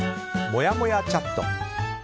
もやもやチャット。